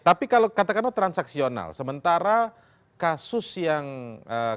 tapi kalau katakanlah transaksional sementara kasus yang kemudian diuji materikan ini atau materi yang diuji materikan ini